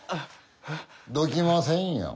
どきませんよ。